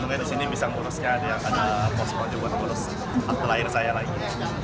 mungkin di sini bisa menguruskan ada yang ada posko juga yang mengurus akte lahir saya lagi